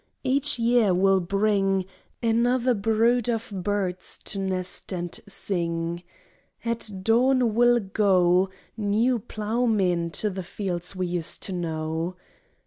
Each year will bring Another brood of birds to nest and sing. At dawn will go New ploughmen to the fields we used to know.